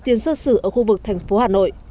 tiền sơ sử ở khu vực thành phố hà nội